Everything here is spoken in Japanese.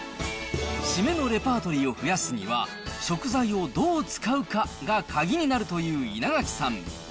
シメのレパートリーを増やすには、食材をどう使うかが鍵になるという稲垣さん。